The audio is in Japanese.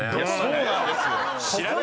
そうなんですよ。